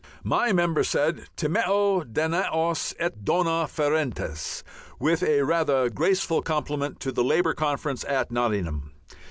My member said, "Timeo Danaos et dona ferentes," with a rather graceful compliment to the Labour Conference at Nottingham.